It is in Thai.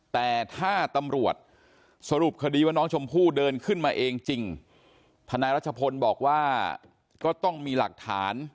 แต่ถ้าตำรวจสรุปคดีว่าน้องชมพู่เดินขึ้นมาเองจริงทนายรัชพลบอกว่าก็ต้องมีหลักฐาน